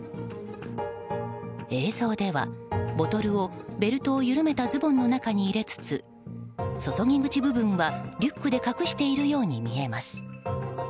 映像では、ボトルをベルトを緩めたズボンの中に入れつつ注ぎ口部分は、リュックで隠しているように見えます。